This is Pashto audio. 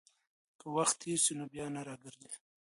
که وخت تېر سي، نو بيا نه راګرځي.